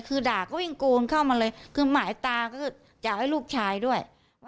คือด่าก็วิ่งโกนเข้ามาเลยคือหมายตาก็คืออยากให้ลูกชายด้วย